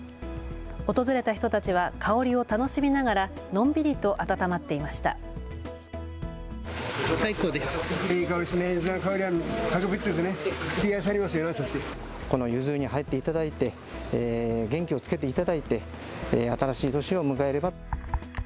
訪れた人たちは香りを楽しみながらのんびりと温まっていました。